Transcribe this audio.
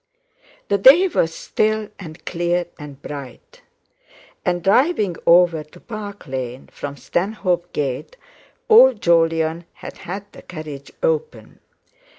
The day was still and clear and bright, and driving over to Park Lane from Stanhope Gate, old Jolyon had had the carriage open.